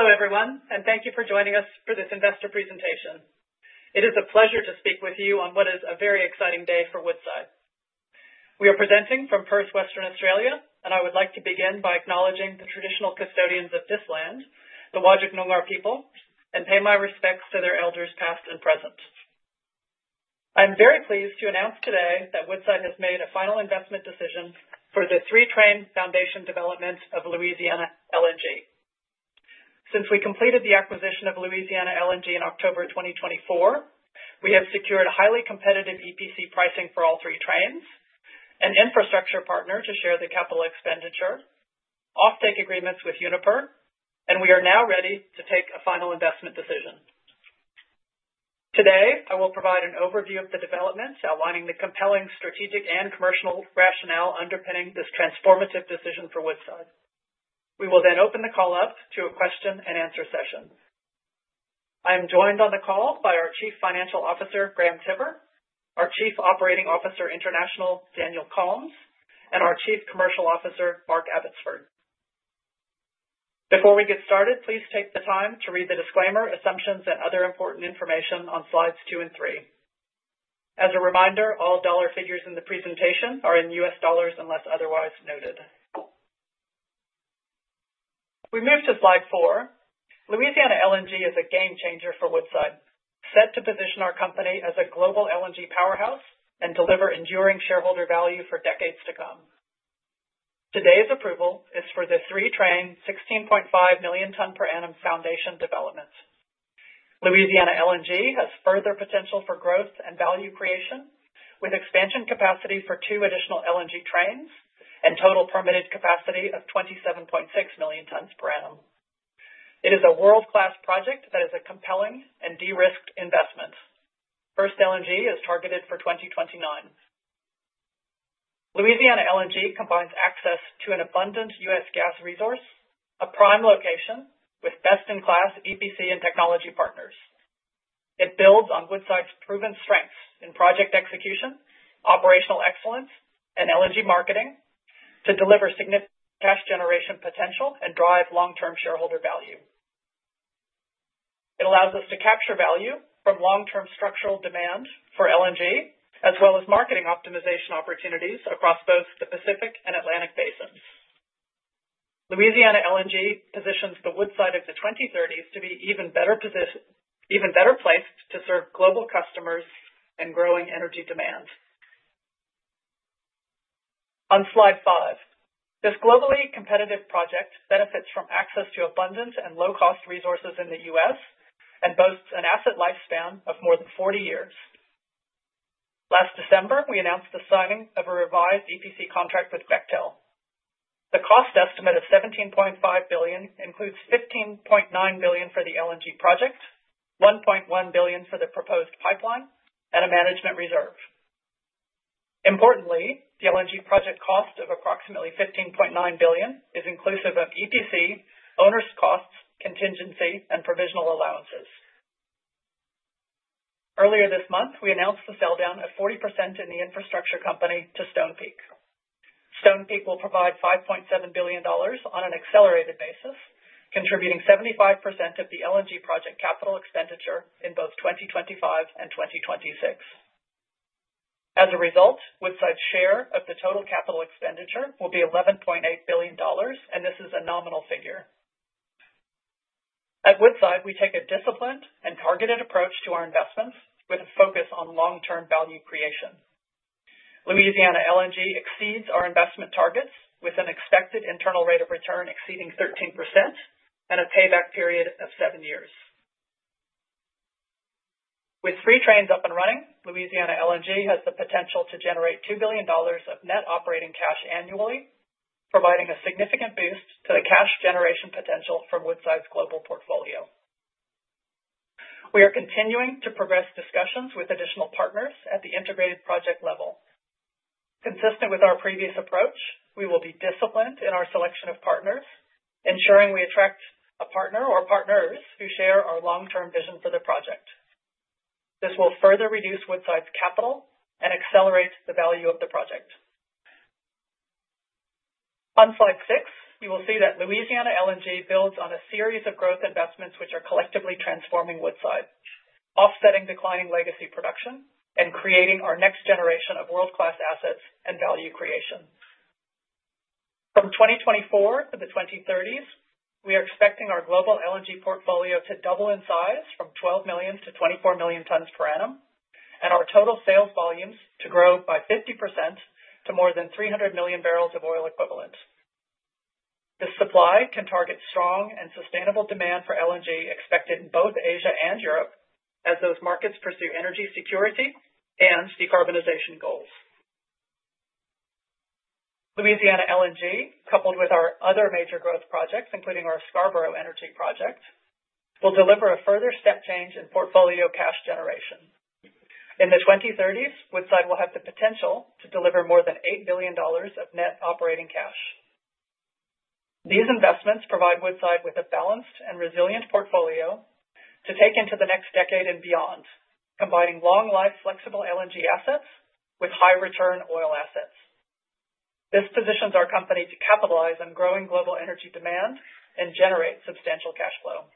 Hello, everyone, and thank you for joining us for this investor presentation. It is a pleasure to speak with you on what is a very exciting day for Woodside. We are presenting from Perth, Western Australia, and I would like to begin by acknowledging the traditional custodians of this land, the Wajik Noongar people, and pay my respects to their elders past and present. I'm very pleased to announce today that Woodside has made a final investment decision for the three-train foundation development of Louisiana LNG. Since we completed the acquisition of Louisiana LNG in October 2024, we have secured a highly competitive EPC pricing for all three trains, an infrastructure partner to share the capital expenditure, offtake agreements with Uniper, and we are now ready to take a final investment decision. Today, I will provide an overview of the developments, outlining the compelling strategic and commercial rationale underpinning this transformative decision for Woodside. We will then open the call up to a question and answer session. I am joined on the call by our Chief Financial Officer, Graham Tiver, our Chief Operating Officer International, Daniel Kalms, and our Chief Commercial Officer, Mark Abbotsford. Before we get started, please take the time to read the disclaimer, assumptions, and other important information on slides two and three. As a reminder, all dollar figures in the presentation are in U.S. dollars unless otherwise noted. We move to slide four. Louisiana LNG is a game changer for Woodside, set to position our company as a global LNG powerhouse and deliver enduring shareholder value for decades to come. Today's approval is for the three-train 16.5 million ton per annum foundation development. Louisiana LNG has further potential for growth and value creation, with expansion capacity for two additional LNG trains and total permitted capacity of 27.6 million tons per annum. It is a world-class project that is a compelling and de-risked investment. First LNG is targeted for 2029. Louisiana LNG combines access to an abundant U.S. gas resource, a prime location with best-in-class EPC and technology partners. It builds on Woodside's proven strengths in project execution, operational excellence, and LNG marketing to deliver significant cash generation potential and drive long-term shareholder value. It allows us to capture value from long-term structural demand for LNG, as well as marketing optimization opportunities across both the Pacific and Atlantic basins. Louisiana LNG positions the Woodside of the 2030s to be even better placed to serve global customers and growing energy demand. On slide five, this globally competitive project benefits from access to abundant and low-cost resources in the U.S. and boasts an asset lifespan of more than 40 years. Last December, we announced the signing of a revised EPC contract with Bechtel. The cost estimate of $17.5 billion includes $15.9 billion for the LNG project, $1.1 billion for the proposed pipeline, and a management reserve. Importantly, the LNG project cost of approximately $15.9 billion is inclusive of EPC, owners' costs, contingency, and provisional allowances. Earlier this month, we announced the sell-down of 40% in the infrastructure company to Stonepeak. Stonepeak will provide $5.7 billion on an accelerated basis, contributing 75% of the LNG project capital expenditure in both 2025 and 2026. As a result, Woodside's share of the total capital expenditure will be $11.8 billion, and this is a nominal figure. At Woodside, we take a disciplined and targeted approach to our investments with a focus on long-term value creation. Louisiana LNG exceeds our investment targets with an expected internal rate of return exceeding 13% and a payback period of seven years. With three trains up and running, Louisiana LNG has the potential to generate $2 billion of net operating cash annually, providing a significant boost to the cash generation potential from Woodside's global portfolio. We are continuing to progress discussions with additional partners at the integrated project level. Consistent with our previous approach, we will be disciplined in our selection of partners, ensuring we attract a partner or partners who share our long-term vision for the project. This will further reduce Woodside's capital and accelerate the value of the project. On slide six, you will see that Louisiana LNG builds on a series of growth investments which are collectively transforming Woodside, offsetting declining legacy production and creating our next generation of world-class assets and value creation. From 2024 to the 2030s, we are expecting our global LNG portfolio to double in size from 12 million to 24 million tons per annum, and our total sales volumes to grow by 50% to more than 300 million barrels of oil equivalent. This supply can target strong and sustainable demand for LNG expected in both Asia and Europe as those markets pursue energy security and decarbonization goals. Louisiana LNG, coupled with our other major growth projects, including our Scarborough Energy project, will deliver a further step change in portfolio cash generation. In the 2030s, Woodside will have the potential to deliver more than $8 billion of net operating cash. These investments provide Woodside with a balanced and resilient portfolio to take into the next decade and beyond, combining long-life, flexible LNG assets with high-return oil assets. This positions our company to capitalize on growing global energy demand and generate substantial cash flow.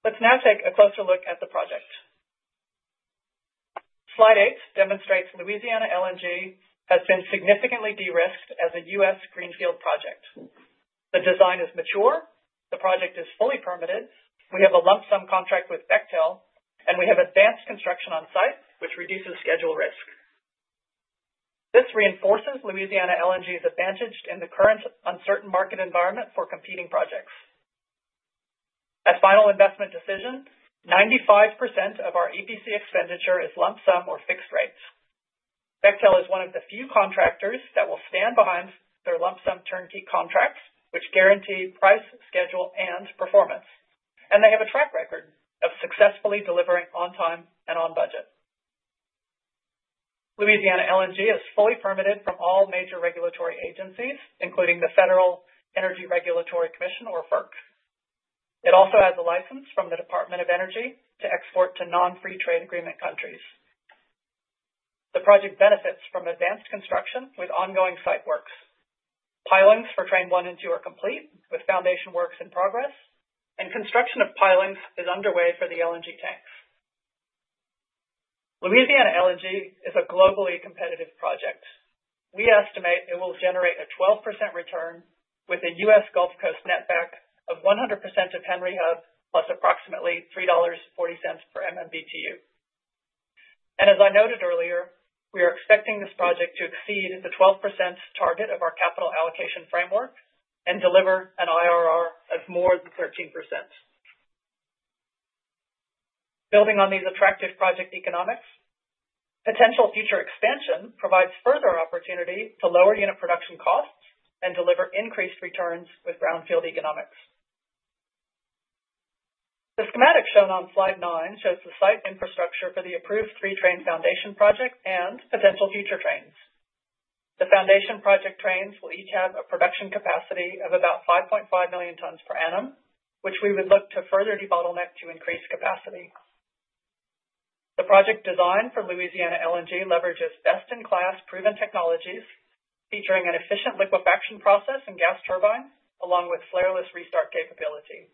Let's now take a closer look at the project. Slide eight demonstrates Louisiana LNG has been significantly de-risked as a U.S. greenfield project. The design is mature, the project is fully permitted, we have a lump sum contract with Bechtel, and we have advanced construction on site, which reduces schedule risk. This reinforces Louisiana LNG's advantage in the current uncertain market environment for competing projects. At final investment decision, 95% of our EPC expenditure is lump sum or fixed rates. Bechtel is one of the few contractors that will stand behind their lump sum turnkey contracts, which guarantee price, schedule, and performance, and they have a track record of successfully delivering on time and on budget. Louisiana LNG is fully permitted from all major regulatory agencies, including the Federal Energy Regulatory Commission, or FERC. It also has a license from the Department of Energy to export to non-free trade agreement countries. The project benefits from advanced construction with ongoing site works. Pilings for train one and two are complete, with foundation works in progress, and construction of pilings is underway for the LNG tanks. Louisiana LNG is a globally competitive project. We estimate it will generate a 12% return with a U.S. Gulf Coast net back of 100% of Henry Hub plus approximately $3.40 per MMBTU. As I noted earlier, we are expecting this project to exceed the 12% target of our capital allocation framework and deliver an IRR of more than 13%. Building on these attractive project economics, potential future expansion provides further opportunity to lower unit production costs and deliver increased returns with brownfield economics. The schematic shown on slide nine shows the site infrastructure for the approved three-train foundation project and potential future trains. The foundation project trains will each have a production capacity of about 5.5 million tons per annum, which we would look to further debottleneck to increase capacity. The project design for Louisiana LNG leverages best-in-class proven technologies, featuring an efficient liquefaction process and gas turbine, along with flairless restart capability.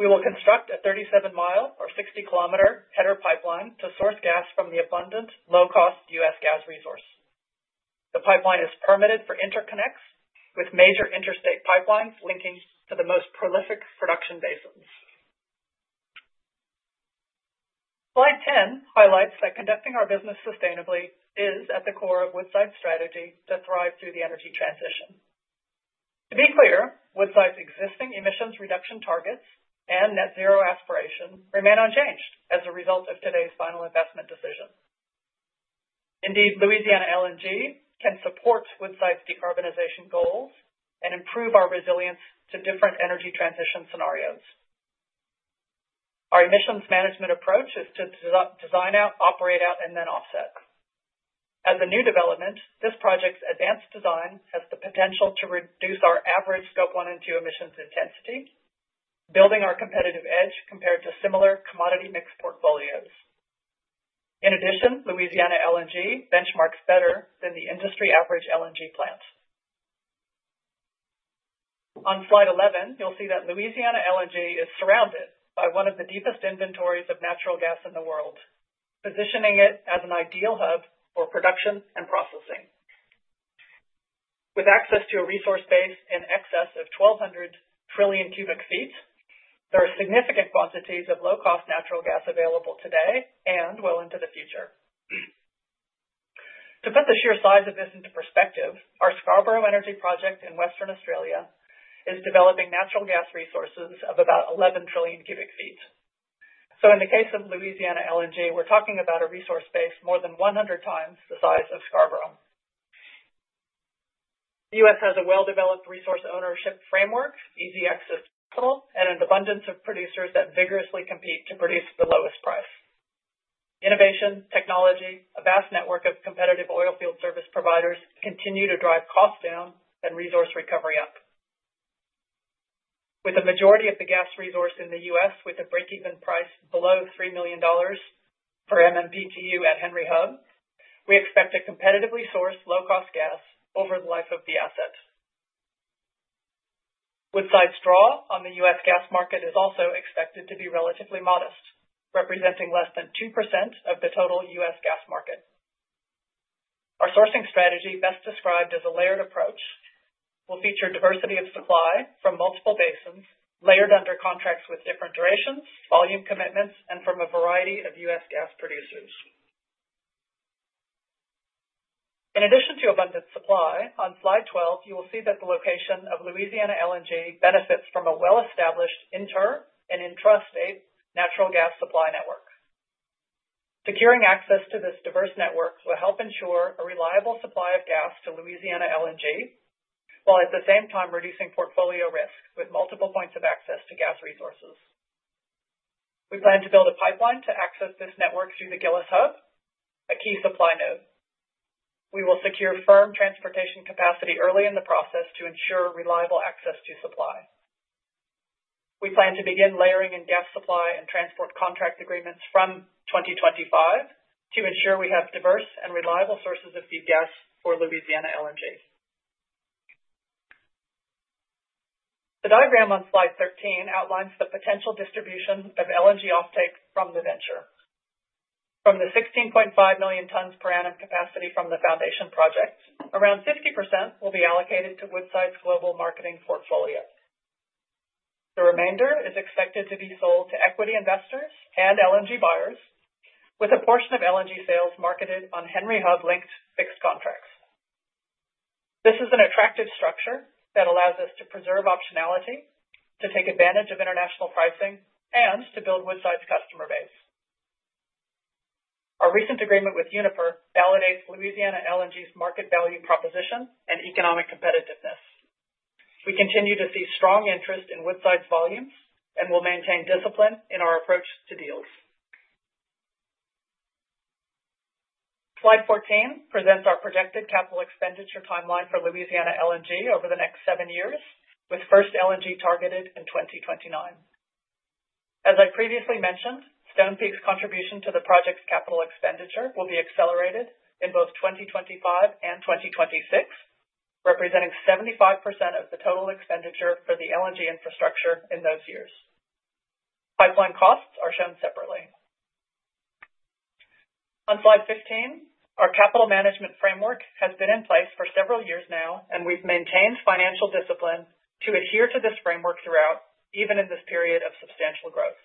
We will construct a 37 mi or 60 km header pipeline to source gas from the abundant, low-cost U.S. gas resource. The pipeline is permitted for interconnects with major interstate pipelines linking to the most prolific production basins. Slide 10 highlights that conducting our business sustainably is at the core of Woodside's strategy to thrive through the energy transition. To be clear, Woodside's existing emissions reduction targets and net zero aspiration remain unchanged as a result of today's final investment decision. Indeed, Louisiana LNG can support Woodside's decarbonization goals and improve our resilience to different energy transition scenarios. Our emissions management approach is to design out, operate out, and then offset. As a new development, this project's advanced design has the potential to reduce our average scope one and two emissions intensity, building our competitive edge compared to similar commodity mix portfolios. In addition, Louisiana LNG benchmarks better than the industry average LNG plants. On slide 11, you'll see that Louisiana LNG is surrounded by one of the deepest inventories of natural gas in the world, positioning it as an ideal hub for production and processing. With access to a resource base in excess of 1,200 trillion cubic feet, there are significant quantities of low-cost natural gas available today and well into the future. To put the sheer size of this into perspective, our Scarborough Energy project in Western Australia is developing natural gas resources of about 11 trillion cubic feet. In the case of Louisiana LNG, we're talking about a resource base more than 100 times the size of Scarborough. The U.S. has a well-developed resource ownership framework, easy access to capital, and an abundance of producers that vigorously compete to produce the lowest price. Innovation, technology, a vast network of competitive oil field service providers continue to drive cost down and resource recovery up. With the majority of the gas resource in the U.S. with a break-even price below $3 per MMBTU at Henry Hub, we expect to competitively source low-cost gas over the life of the asset. Woodside's draw on the U.S. gas market is also expected to be relatively modest, representing less than 2% of the total U.S. gas market. Our sourcing strategy, best described as a layered approach, will feature diversity of supply from multiple basins, layered under contracts with different durations, volume commitments, and from a variety of U.S. gas producers. In addition to abundant supply, on slide 12, you will see that the location of Louisiana LNG benefits from a well-established inter and intrastate natural gas supply network. Securing access to this diverse network will help ensure a reliable supply of gas to Louisiana LNG, while at the same time reducing portfolio risk with multiple points of access to gas resources. We plan to build a pipeline to access this network through the Gillis Hub, a key supply node. We will secure firm transportation capacity early in the process to ensure reliable access to supply. We plan to begin layering in gas supply and transport contract agreements from 2025 to ensure we have diverse and reliable sources of feed gas for Louisiana LNG. The diagram on slide 13 outlines the potential distribution of LNG offtake from the venture. From the 16.5 million tons per annum capacity from the foundation project, around 50% will be allocated to Woodside's global marketing portfolio. The remainder is expected to be sold to equity investors and LNG buyers, with a portion of LNG sales marketed on Henry Hub-linked fixed contracts. This is an attractive structure that allows us to preserve optionality, to take advantage of international pricing, and to build Woodside's customer base. Our recent agreement with Uniper validates Louisiana LNG's market value proposition and economic competitiveness. We continue to see strong interest in Woodside's volumes and will maintain discipline in our approach to deals. Slide 14 presents our projected capital expenditure timeline for Louisiana LNG over the next seven years, with first LNG targeted in 2029. As I previously mentioned, Stonepeak's contribution to the project's capital expenditure will be accelerated in both 2025 and 2026, representing 75% of the total expenditure for the LNG infrastructure in those years. Pipeline costs are shown separately. On slide 15, our capital management framework has been in place for several years now, and we've maintained financial discipline to adhere to this framework throughout, even in this period of substantial growth.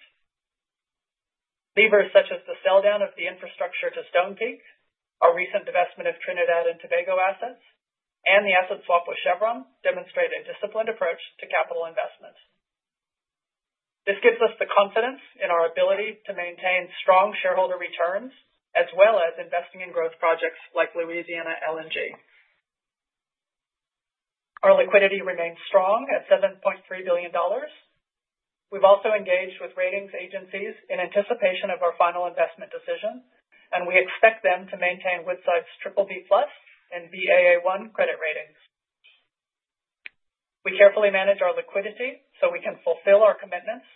Levers such as the sell-down of the infrastructure to Stonepeak, our recent divestment of Trinidad and Tobago assets, and the asset swap with Chevron demonstrate a disciplined approach to capital investment. This gives us the confidence in our ability to maintain strong shareholder returns as well as investing in growth projects like Louisiana LNG. Our liquidity remains strong at $7.3 billion. We've also engaged with ratings agencies in anticipation of our final investment decision, and we expect them to maintain Woodside's BBB+ and Baa1 credit ratings. We carefully manage our liquidity so we can fulfill our commitments,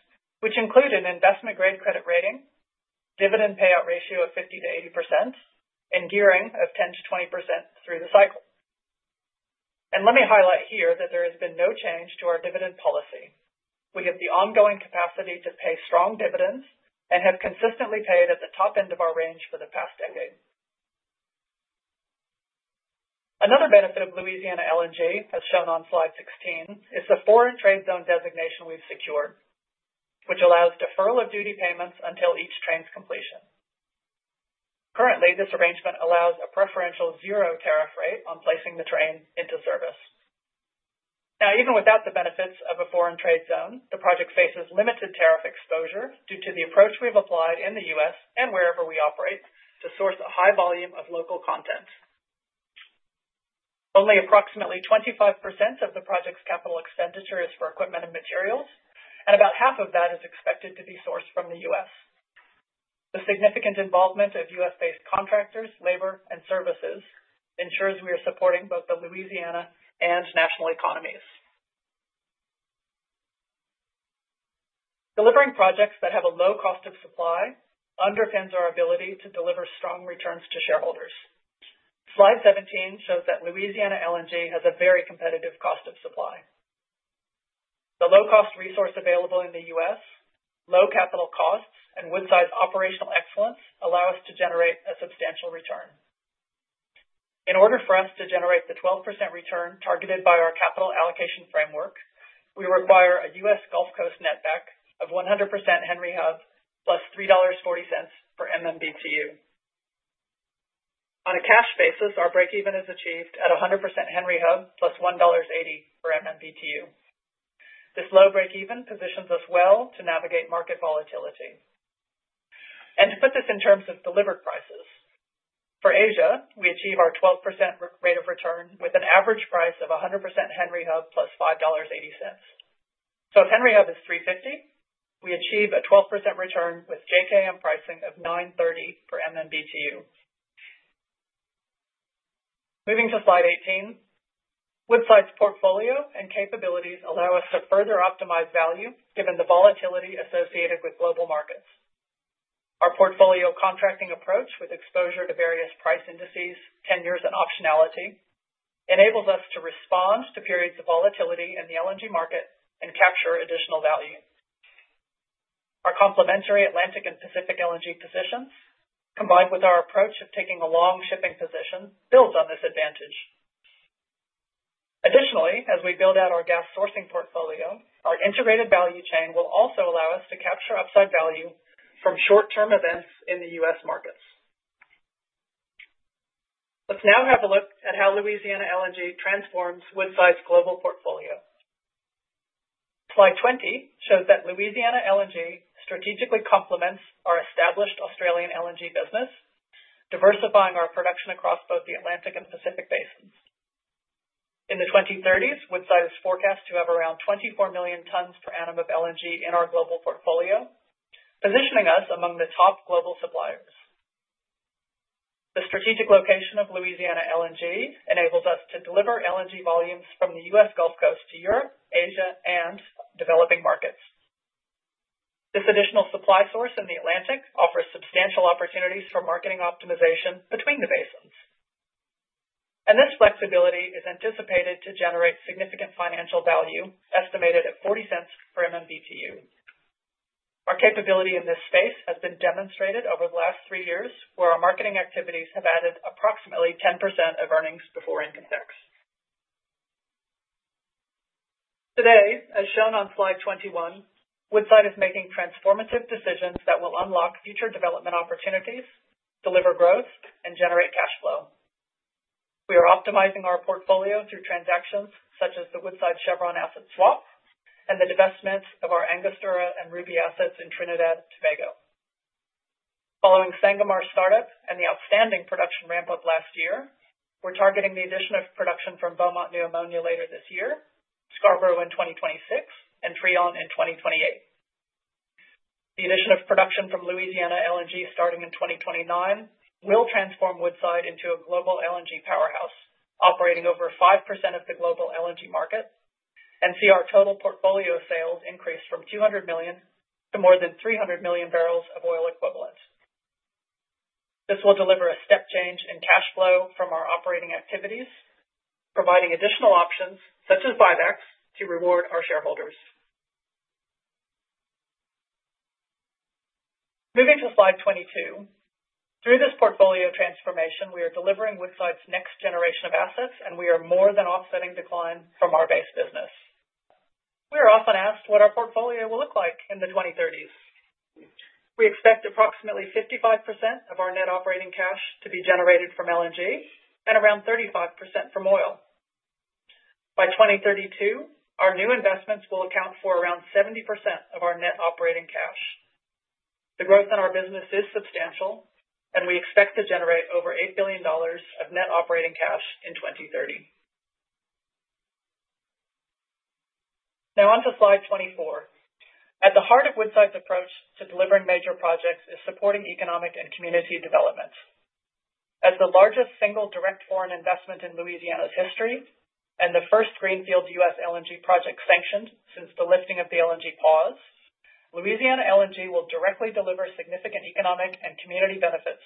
which include an investment-grade credit rating, dividend payout ratio of 50-80%, and gearing of 10-20% through the cycle. Let me highlight here that there has been no change to our dividend policy. We have the ongoing capacity to pay strong dividends and have consistently paid at the top end of our range for the past decade. Another benefit of Louisiana LNG, as shown on slide 16, is the foreign trade zone designation we have secured, which allows deferral of duty payments until each train's completion. Currently, this arrangement allows a preferential zero tariff rate on placing the train into service. Now, even without the benefits of a foreign trade zone, the project faces limited tariff exposure due to the approach we've applied in the U.S. and wherever we operate to source a high volume of local content. Only approximately 25% of the project's capital expenditure is for equipment and materials, and about half of that is expected to be sourced from the U.S.. The significant involvement of U.S.-based contractors, labor, and services ensures we are supporting both the Louisiana and national economies. Delivering projects that have a low cost of supply underpins our ability to deliver strong returns to shareholders. Slide 17 shows that Louisiana LNG has a very competitive cost of supply. The low-cost resource available in the U.S., low capital costs, and Woodside's operational excellence allow us to generate a substantial return. In order for us to generate the 12% return targeted by our capital allocation framework, we require a U.S. Gulf Coast net back of 100% Henry Hub plus $3.40 per MMBTU. On a cash basis, our break-even is achieved at 100% Henry Hub plus $1.80 per MMBTU. This low break-even positions us well to navigate market volatility. To put this in terms of delivered prices, for Asia, we achieve our 12% rate of return with an average price of 100% Henry Hub plus $5.80. If Henry Hub is $3.50, we achieve a 12% return with JKM pricing of $9.30 per MMBTU. Moving to slide 18, Woodside's portfolio and capabilities allow us to further optimize value given the volatility associated with global markets. Our portfolio contracting approach with exposure to various price indices, tenures, and optionality enables us to respond to periods of volatility in the LNG market and capture additional value. Our complementary Atlantic and Pacific LNG positions, combined with our approach of taking a long shipping position, build on this advantage. Additionally, as we build out our gas sourcing portfolio, our integrated value chain will also allow us to capture upside value from short-term events in the U.S. markets. Let's now have a look at how Louisiana LNG transforms Woodside's global portfolio. Slide 20 shows that Louisiana LNG strategically complements our established Australian LNG business, diversifying our production across both the Atlantic and Pacific basins. In the 2030s, Woodside is forecast to have around 24 million tons per annum of LNG in our global portfolio, positioning us among the top global suppliers. The strategic location of Louisiana LNG enables us to deliver LNG volumes from the U.S. Gulf Coast to Europe, Asia, and developing markets. This additional supply source in the Atlantic offers substantial opportunities for marketing optimization between the basins. This flexibility is anticipated to generate significant financial value estimated at $0.40 per MMBTU. Our capability in this space has been demonstrated over the last three years, where our marketing activities have added approximately 10% of earnings before income tax. Today, as shown on slide 21, Woodside is making transformative decisions that will unlock future development opportunities, deliver growth, and generate cash flow. We are optimizing our portfolio through transactions such as the Woodside Chevron asset swap and the divestment of our Angostura and Ruby assets in Trinidad and Tobago. Following Sangomar's startup and the outstanding production ramp-up last year, we're targeting the addition of production from Beaumont New Ammonia later this year, Scarborough in 2026, and Trion in 2028. The addition of production from Louisiana LNG starting in 2029 will transform Woodside into a global LNG powerhouse operating over 5% of the global LNG market and see our total portfolio sales increase from 200 million to more than 300 million barrels of oil equivalent. This will deliver a step change in cash flow from our operating activities, providing additional options such as buybacks to reward our shareholders. Moving to slide 22, through this portfolio transformation, we are delivering Woodside's next generation of assets, and we are more than offsetting decline from our base business. We are often asked what our portfolio will look like in the 2030s. We expect approximately 55% of our net operating cash to be generated from LNG and around 35% from oil. By 2032, our new investments will account for around 70% of our net operating cash. The growth in our business is substantial, and we expect to generate over $8 billion of net operating cash in 2030. Now on to slide 24. At the heart of Woodside's approach to delivering major projects is supporting economic and community development. As the largest single direct foreign investment in Louisiana's history and the first greenfield U.S. LNG project sanctioned since the lifting of the LNG pause, Louisiana LNG will directly deliver significant economic and community benefits.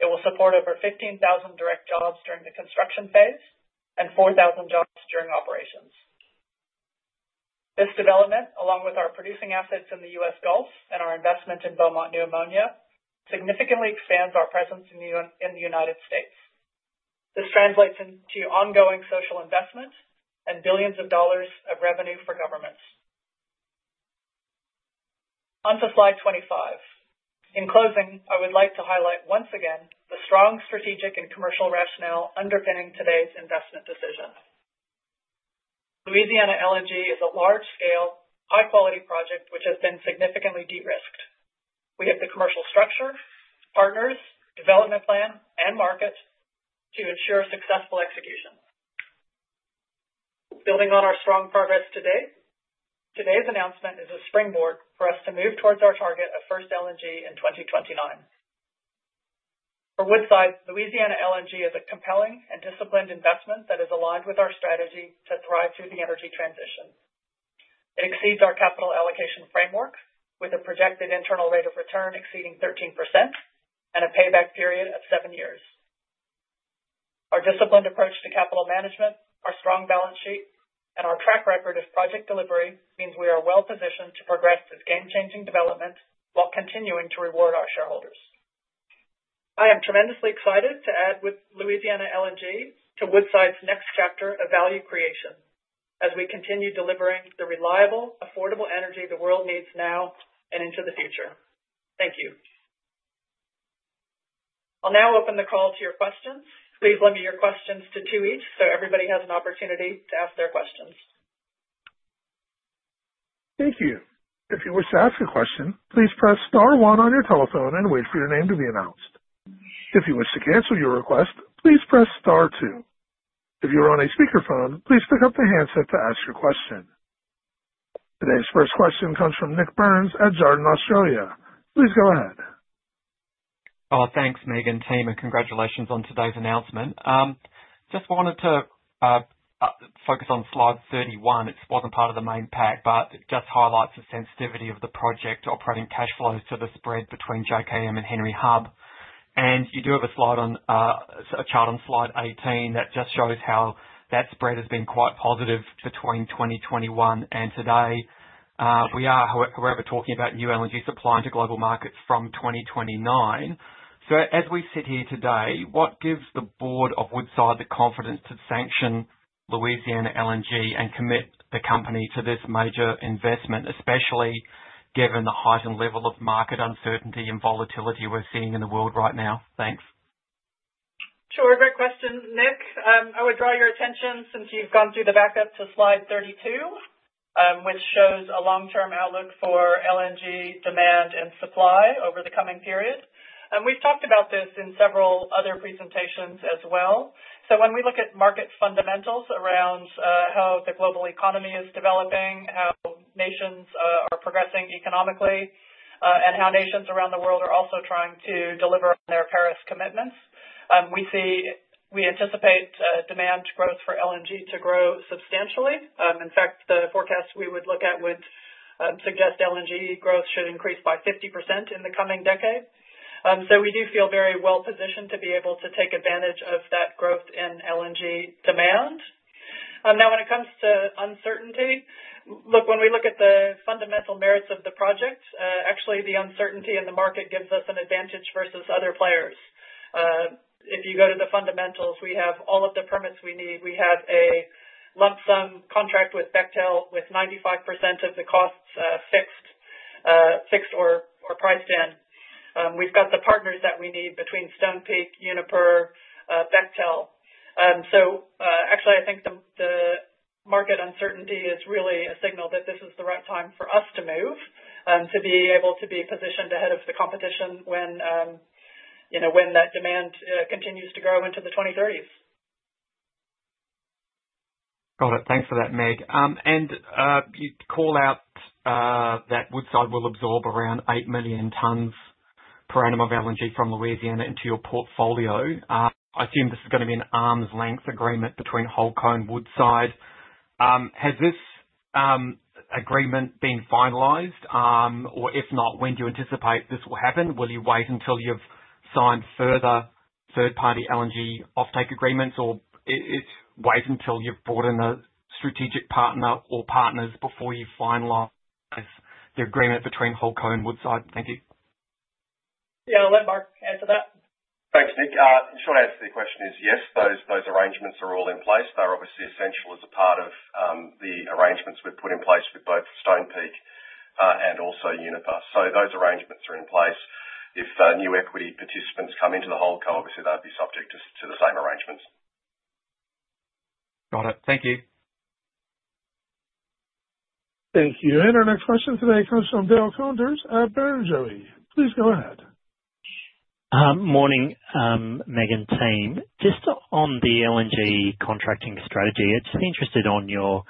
It will support over 15,000 direct jobs during the construction phase and 4,000 jobs during operations. This development, along with our producing assets in the U.S. Gulf and our investment in Beaumont New Ammonia, significantly expands our presence in the United States. This translates into ongoing social investment and billions of dollars of revenue for governments. On to slide 25. In closing, I would like to highlight once again the strong strategic and commercial rationale underpinning today's investment decision. Louisiana LNG is a large-scale, high-quality project which has been significantly de-risked. We have the commercial structure, partners, development plan, and market to ensure successful execution. Building on our strong progress today, today's announcement is a springboard for us to move towards our target of first LNG in 2029. For Woodside, Louisiana LNG is a compelling and disciplined investment that is aligned with our strategy to thrive through the energy transition. It exceeds our capital allocation framework, with a projected internal rate of return exceeding 13% and a payback period of seven years. Our disciplined approach to capital management, our strong balance sheet, and our track record of project delivery means we are well positioned to progress this game-changing development while continuing to reward our shareholders. I am tremendously excited to add with Louisiana LNG to Woodside's next chapter of value creation as we continue delivering the reliable, affordable energy the world needs now and into the future. Thank you. I'll now open the call to your questions. Please limit your questions to two each so everybody has an opportunity to ask their questions. Thank you. If you wish to ask a question, please press star one on your telephone and wait for your name to be announced. If you wish to cancel your request, please press star two. If you're on a speakerphone, please pick up the handset to ask your question. Today's first question comes from Nik Burns at Jarden Australia. Please go ahead. Oh, thanks, Meg and Tim, and congratulations on today's announcement. Just wanted to focus on slide 31. It wasn't part of the main pack, but it just highlights the sensitivity of the project operating cash flows to the spread between JKM and Henry Hub. And you do have a chart on slide 18 that just shows how that spread has been quite positive between 2021 and today. We are, however, talking about new energy supply into global markets from 2029. As we sit here today, what gives the board of Woodside the confidence to sanction Louisiana LNG and commit the company to this major investment, especially given the heightened level of market uncertainty and volatility we're seeing in the world right now? Thanks. Sure. Great question, Nick. I would draw your attention since you've gone through the backup to slide 32, which shows a long-term outlook for LNG demand and supply over the coming period. We have talked about this in several other presentations as well. When we look at market fundamentals around how the global economy is developing, how nations are progressing economically, and how nations around the world are also trying to deliver on their Paris commitments, we anticipate demand growth for LNG to grow substantially. In fact, the forecast we would look at would suggest LNG growth should increase by 50% in the coming decade. We do feel very well positioned to be able to take advantage of that growth in LNG demand. Now, when it comes to uncertainty, look, when we look at the fundamental merits of the project, actually, the uncertainty in the market gives us an advantage versus other players. If you go to the fundamentals, we have all of the permits we need. We have a lump sum contract with Bechtel with 95% of the costs fixed or priced in. We've got the partners that we need between Stonepeak, Uniper, Bechtel. Actually, I think the market uncertainty is really a signal that this is the right time for us to move and to be able to be positioned ahead of the competition when that demand continues to grow into the 2030s. Got it. Thanks for that, Meg. You call out that Woodside will absorb around 8 million tons per annum of LNG from Louisiana into your portfolio. I assume this is going to be an arm's length agreement between Holcomb and Woodside. Has this agreement been finalized? Or if not, when do you anticipate this will happen? Will you wait until you've signed further third-party LNG offtake agreements, or wait until you've brought in a strategic partner or partners before you finalize the agreement between Holcomb and Woodside? Thank you. Yeah, I'll let Mark answer that. Thanks, Nik. In short answer, the question is yes, those arrangements are all in place. They're obviously essential as a part of the arrangements we've put in place with both Stonepeak and also Uniper. So those arrangements are in place. If new equity participants come into the Holcomb, obviously, they'll be subject to the same arrangements. Got it. Thank you. Thank you. Our next question today comes from Dale Koenders at Barrenjoey. Please go ahead. Morning, Meg and Team. Just on the LNG contracting strategy, I'm just interested in your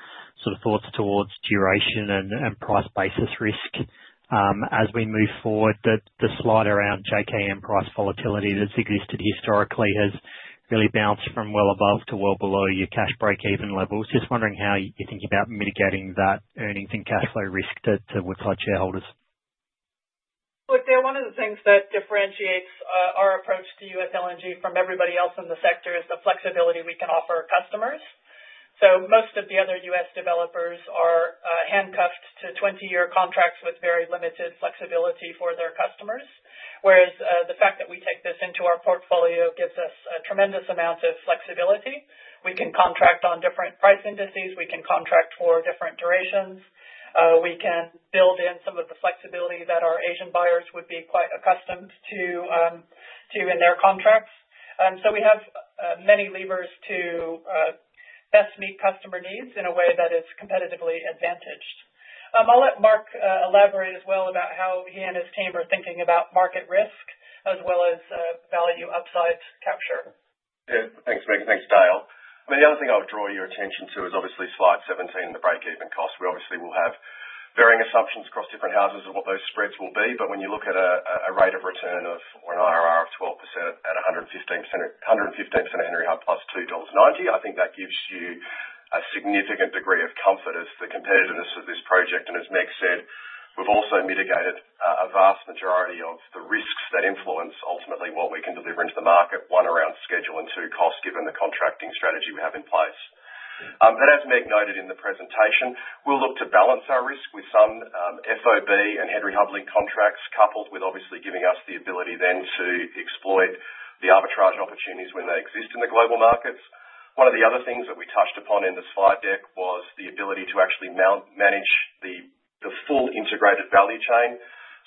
sort of thoughts towards duration and price basis risk as we move forward. The slide around JKM price volatility that's existed historically has really bounced from well above to well below your cash break-even level. Just wondering how you're thinking about mitigating that earnings and cash flow risk to Woodside shareholders. Look, one of the things that differentiates our approach to U.S. LNG from everybody else in the sector is the flexibility we can offer our customers. Most of the other U.S. developers are handcuffed to 20-year contracts with very limited flexibility for their customers. Whereas the fact that we take this into our portfolio gives us a tremendous amount of flexibility. We can contract on different price indices. We can contract for different durations. We can build in some of the flexibility that our Asian buyers would be quite accustomed to in their contracts. We have many levers to best meet customer needs in a way that is competitively advantaged. I'll let Mark elaborate as well about how he and his team are thinking about market risk as well as value upside capture. Yeah, thanks, Meg. Thanks, Dale. I mean, the other thing I would draw your attention to is obviously slide 17 and the break-even cost. We obviously will have varying assumptions across different houses of what those spreads will be. When you look at a rate of return or an IRR of 12% at 115% of Henry Hub plus $2.90, I think that gives you a significant degree of comfort as the competitiveness of this project. As Meg said, we have also mitigated a vast majority of the risks that influence ultimately what we can deliver into the market, one around schedule and two costs given the contracting strategy we have in place. As Meg noted in the presentation, we will look to balance our risk with some FOB and Henry Hub linked contracts coupled with obviously giving us the ability then to exploit the arbitrage opportunities when they exist in the global markets. One of the other things that we touched upon in the slide deck was the ability to actually manage the full integrated value chain.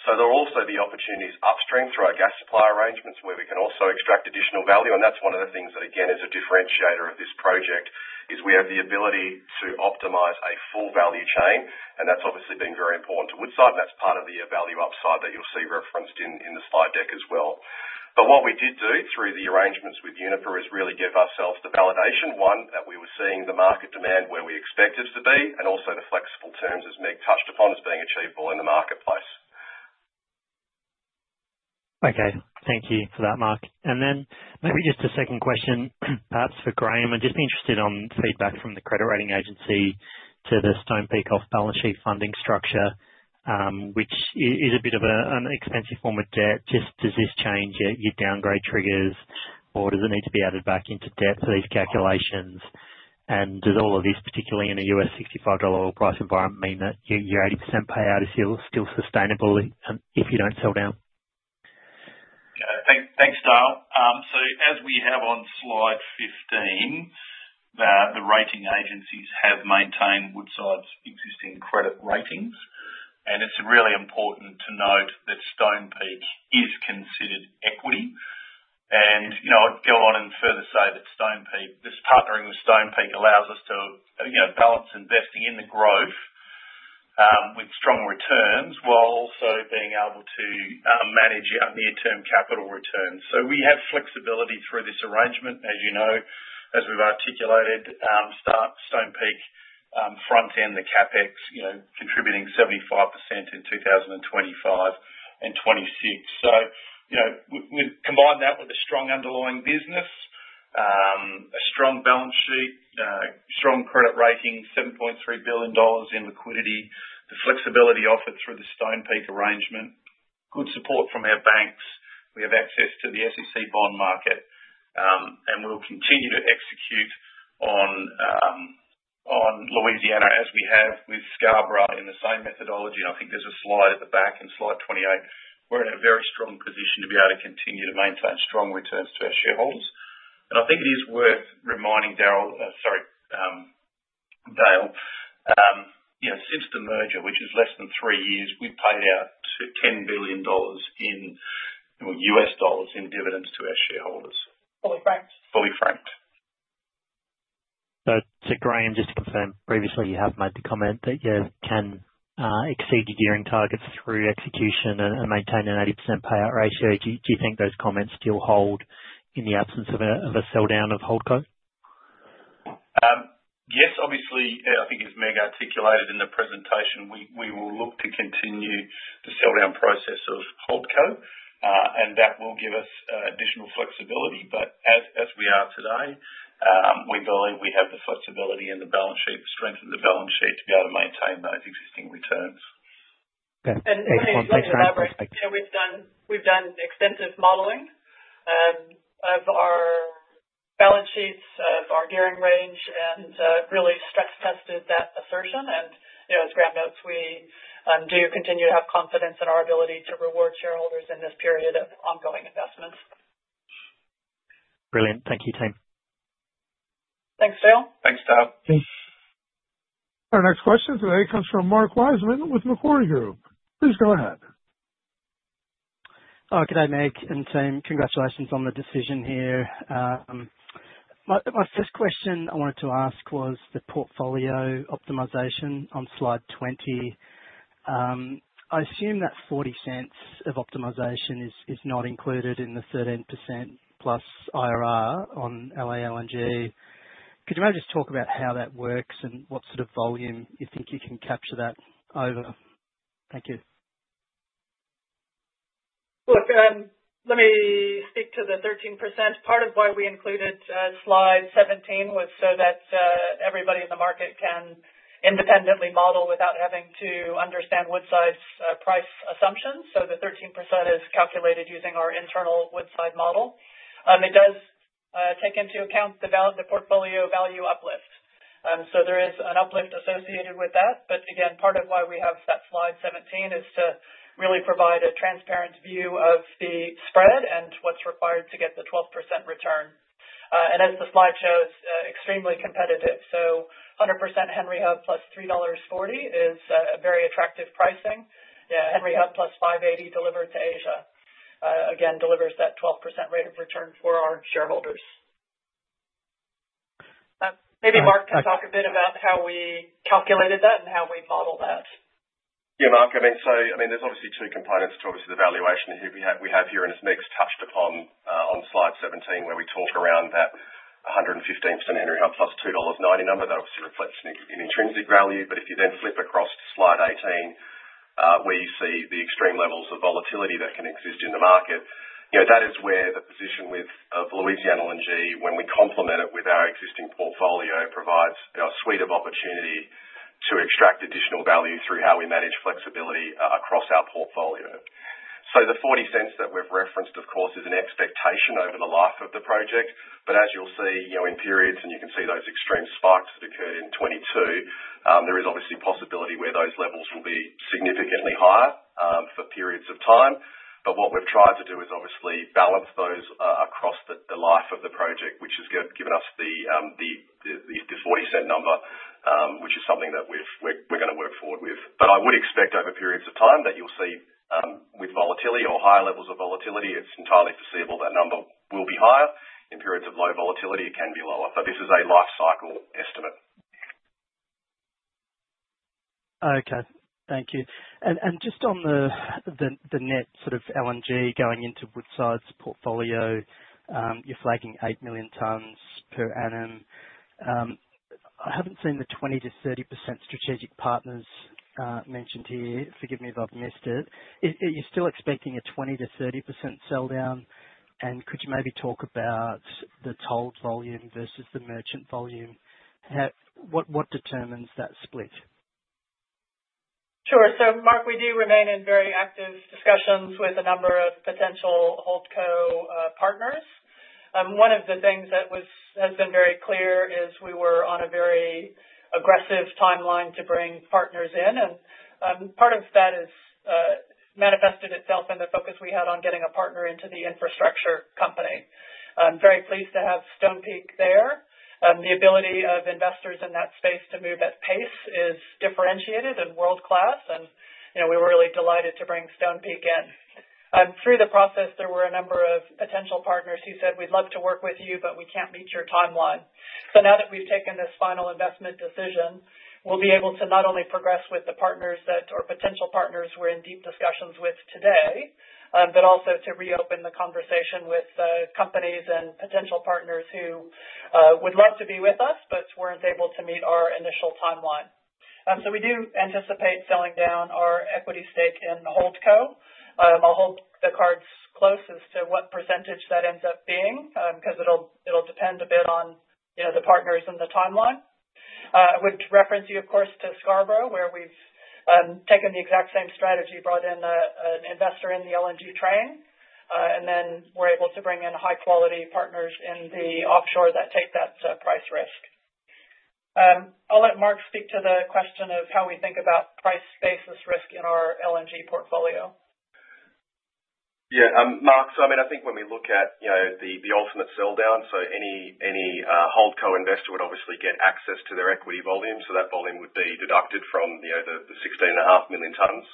There are also the opportunities upstream through our gas supply arrangements where we can also extract additional value. That is one of the things that, again, is a differentiator of this project as we have the ability to optimize a full value chain. That's obviously been very important to Woodside. That's part of the value upside that you'll see referenced in the slide deck as well. What we did do through the arrangements with Uniper is really give ourselves the validation, one, that we were seeing the market demand where we expected it to be, and also the flexible terms, as Meg touched upon, as being achievable in the marketplace. Okay. Thank you for that, Mark. Maybe just a second question, perhaps for Graham. I'm just interested in feedback from the credit rating agency to the Stonepeak off balance sheet funding structure, which is a bit of an expensive form of debt. Just does this change your downgrade triggers, or does it need to be added back into debt for these calculations? Does all of this, particularly in a $65 price environment, mean that your 80% payout is still sustainable if you do not sell down? Yeah. Thanks, Dale. As we have on slide 15, the rating agencies have maintained Woodside's existing credit ratings. It is really important to note that Stonepeak is considered equity. I would go on and further say that this partnering with Stonepeak allows us to balance investing in the growth with strong returns while also being able to manage our near-term capital returns. We have flexibility through this arrangement, as you know, as we have articulated. Stonepeak front-end the CapEx, contributing 75% in 2025 and 2026. We combine that with a strong underlying business, a strong balance sheet, strong credit rating, $7.3 billion in liquidity, the flexibility offered through the Stonepeak arrangement, good support from our banks. We have access to the SEC bond market, and we'll continue to execute on Louisiana as we have with Scarborough in the same methodology. I think there's a slide at the back in slide 28. We're in a very strong position to be able to continue to maintain strong returns to our shareholders. I think it is worth reminding Dale, since the merger, which is less than three years, we've paid out $10 billion in U.S. dollars in dividends to our shareholders. Fully franked. Fully franked. To Graham, just to confirm, previously you have made the comment that you can exceed your gearing targets through execution and maintain an 80% payout ratio. Do you think those comments still hold in the absence of a sell down of Holco? Yes. Obviously, I think as Meg articulated in the presentation, we will look to continue the sell down process of Holco, and that will give us additional flexibility. As we are today, we believe we have the flexibility and the strength in the balance sheet to be able to maintain those existing returns. From that perspective, we've done extensive modeling of our balance sheets, of our gearing range, and really stress tested that assertion. As Graham notes, we do continue to have confidence in our ability to reward shareholders in this period of ongoing investments. Brilliant. Thank you, Team. Thanks, Dale. Thanks, Dale. Our next question today comes from Mark Wiseman with Macquarie Group. Please go ahead. Oh, good day, Meg and Tim. Congratulations on the decision here. My first question I wanted to ask was the portfolio optimization on slide 20. I assume that $0.40 of optimization is not included in the 13%+ IRR on Louisiana LNG. Could you maybe just talk about how that works and what sort of volume you think you can capture that over? Thank you. Look, let me speak to the 13%. Part of why we included slide 17 was so that everybody in the market can independently model without having to understand Woodside's price assumptions. The 13% is calculated using our internal Woodside model. It does take into account the portfolio value uplift. There is an uplift associated with that. Part of why we have that slide 17 is to really provide a transparent view of the spread and what is required to get the 12% return. As the slide shows, extremely competitive. 100% Henry Hub plus $3.40 is very attractive pricing. Henry Hub plus $5.80 delivered to Asia, again, delivers that 12% rate of return for our shareholders. Maybe Mark can talk a bit about how we calculated that and how we modeled that. Yeah, Mark, I mean, so I mean, there's obviously two components to obviously the valuation here we have here. As Meg's touched upon on slide 17, where we talk around that 115% Henry Hub plus $2.90 number, that obviously reflects an intrinsic value. If you then flip across to slide 18, where you see the extreme levels of volatility that can exist in the market, that is where the position of Louisiana LNG, when we complement it with our existing portfolio, provides a suite of opportunity to extract additional value through how we manage flexibility across our portfolio. The $0.40 that we've referenced, of course, is an expectation over the life of the project. As you'll see in periods, and you can see those extreme spikes that occurred in 2022, there is obviously possibility where those levels will be significantly higher for periods of time. What we've tried to do is obviously balance those across the life of the project, which has given us the $0.40 number, which is something that we're going to work forward with. I would expect over periods of time that you'll see with volatility or higher levels of volatility, it's entirely foreseeable that number will be higher. In periods of low volatility, it can be lower. This is a life cycle estimate. Okay. Thank you. Just on the net sort of LNG going into Woodside's portfolio, you're flagging 8 million tons per annum. I haven't seen the 20-30% strategic partners mentioned here. Forgive me if I've missed it. Are you still expecting a 20-30% sell down? Could you maybe talk about the told volume versus the merchant volume? What determines that split? Sure. Mark, we do remain in very active discussions with a number of potential Holco partners. One of the things that has been very clear is we were on a very aggressive timeline to bring partners in. Part of that has manifested itself in the focus we had on getting a partner into the infrastructure company. I'm very pleased to have Stonepeak there. The ability of investors in that space to move at pace is differentiated and world-class. We were really delighted to bring Stonepeak in. Through the process, there were a number of potential partners who said, "We'd love to work with you, but we can't meet your timeline." Now that we've taken this final investment decision, we'll be able to not only progress with the partners that our potential partners were in deep discussions with today, but also to reopen the conversation with companies and potential partners who would love to be with us but weren't able to meet our initial timeline. We do anticipate selling down our equity stake in Holco. I'll hold the cards close as to what percentage that ends up being because it'll depend a bit on the partners and the timeline. I would reference you, of course, to Scarborough, where we've taken the exact same strategy, brought in an investor in the LNG train, and then we're able to bring in high-quality partners in the offshore that take that price risk. I'll let Mark speak to the question of how we think about price-basis risk in our LNG portfolio. Yeah. Mark, so I mean, I think when we look at the ultimate sell down, any Holco investor would obviously get access to their equity volume. That volume would be deducted from the 16.5 million tons.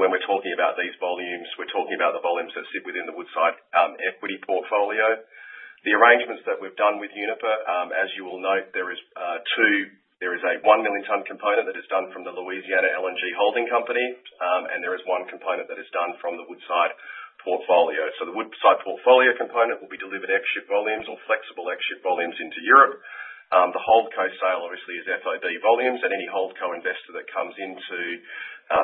When we're talking about these volumes, we're talking about the volumes that sit within the Woodside equity portfolio. The arrangements that we've done with Uniper, as you will note, there is a one-million-ton component that is done from the Louisiana LNG Holding Company, and there is one component that is done from the Woodside portfolio. The Woodside portfolio component will be delivered ex-ship volumes or flexible ex-ship volumes into Europe. The Holco sale, obviously, is FOB volumes. Any Holco investor that comes in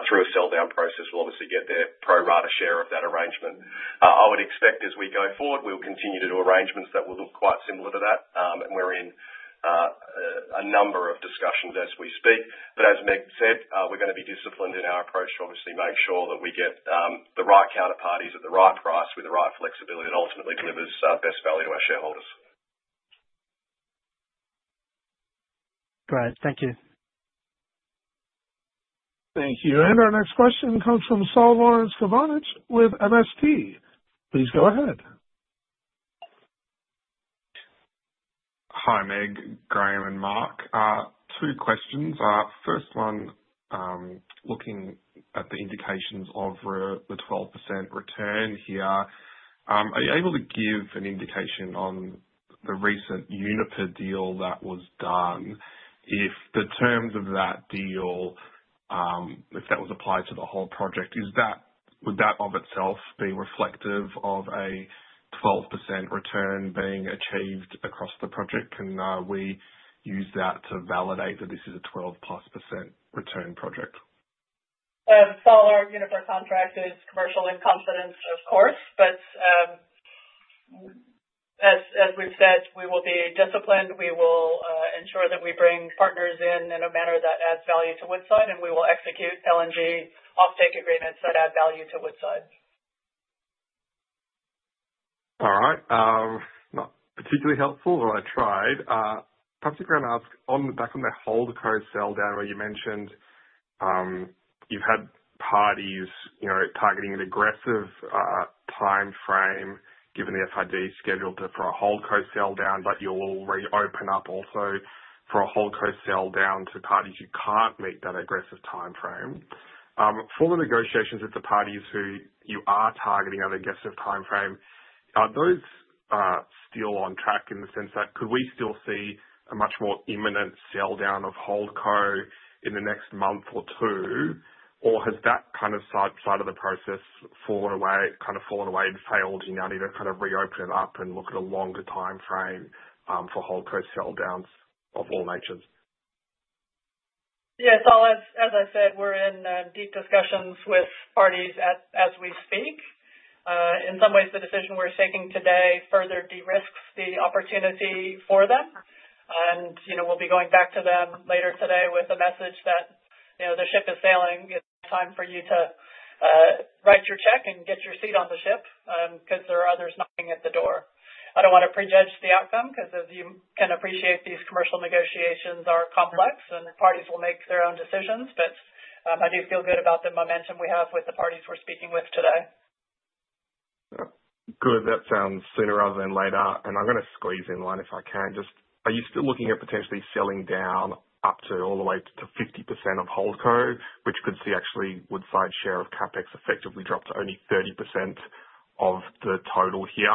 through a sell down process will obviously get their pro-rata share of that arrangement. I would expect as we go forward, we'll continue to do arrangements that will look quite similar to that. We are in a number of discussions as we speak. As Meg said, we are going to be disciplined in our approach to obviously make sure that we get the right counterparties at the right price with the right flexibility that ultimately delivers best value to our shareholders. Great. Thank you. Thank you. Our next question comes from Solvayance Kavanich with MST. Please go ahead. Hi, Meg, Graham, and Mark. Two questions. First one, looking at the indications of the 12% return here, are you able to give an indication on the recent Uniper deal that was done? If the terms of that deal, if that was applied to the whole project, would that of itself be reflective of a 12% return being achieved across the project? Can we use that to validate that this is a 12% plus return project? All our Uniper contract is commercial in confidence, of course. As we've said, we will be disciplined. We will ensure that we bring partners in in a manner that adds value to Woodside, and we will execute LNG off-take agreements that add value to Woodside. All right. Not particularly helpful, though I tried. Perhaps to Graham, on the back of the Holco sell down where you mentioned you've had parties targeting an aggressive timeframe, given the FID schedule for a Holco sell down, but you'll already open up also for a Holco sell down to parties who can't meet that aggressive timeframe. For the negotiations with the parties who you are targeting at the aggressive timeframe, are those still on track in the sense that could we still see a much more imminent sell down of Holco in the next month or two, or has that kind of side of the process kind of fallen away and failed, and you now need to kind of reopen it up and look at a longer timeframe for Holco sell downs of all natures? Yes. As I said, we're in deep discussions with parties as we speak. In some ways, the decision we're taking today further de-risks the opportunity for them. We'll be going back to them later today with a message that the ship is sailing. It's time for you to write your check and get your seat on the ship because there are others knocking at the door. I don't want to prejudge the outcome because, as you can appreciate, these commercial negotiations are complex, and parties will make their own decisions. I do feel good about the momentum we have with the parties we're speaking with today. Good. That sounds sooner rather than later. I'm going to squeeze in one if I can. Just are you still looking at potentially selling down up to all the way to 50% of Holco, which could see actually Woodside's share of CapEx effectively drop to only 30% of the total here?